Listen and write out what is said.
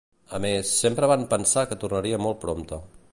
A més, sempre van pensar que tornaria molt prompte.